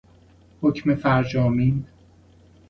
حکم فرجامین